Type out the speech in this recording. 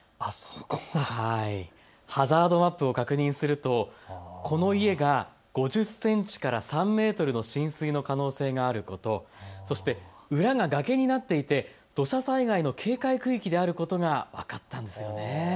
ハザードマップを確認するとこの家が５０センチから３メートルの浸水の可能性があること、そして裏が崖になっていて土砂災害の警戒区域であることが分かりました。